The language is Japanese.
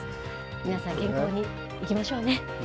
皆さん、健康にいきましょうね。